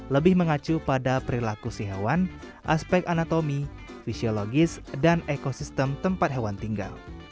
lebih mengacu pada perilaku si hewan aspek anatomi fisiologis dan ekosistem tempat hewan tinggal